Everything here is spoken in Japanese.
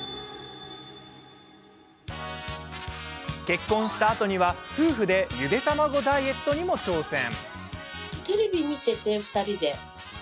結婚したあとには、夫婦でゆで卵ダイエットにも挑戦。